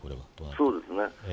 そうですね。